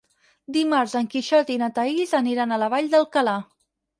Dimarts en Quixot i na Thaís aniran a la Vall d'Alcalà.